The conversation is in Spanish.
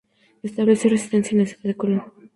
Estableció residencia en la ciudad de Colón.